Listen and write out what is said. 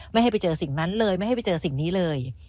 ไม่ให้ไปเจอสิ่งนั้นเลยไม่ให้ไปเจอสิ่งนี้เลย